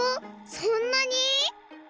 そんなに！？